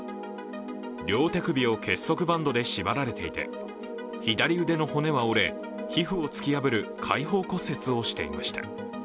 両手首を結束バンドで縛られていて左腕の骨は折れ皮膚を突き破る開放骨折をしていました。